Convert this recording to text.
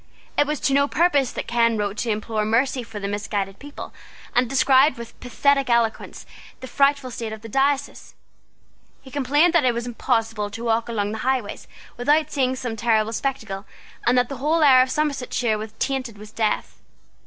It was to no purpose that Ken wrote to implore mercy for the misguided people, and described with pathetic eloquence the frightful state of his diocese. He complained that it was impossible to walk along the highways without seeing some terrible spectacle, and that the whole air of Somersetshire was tainted with death.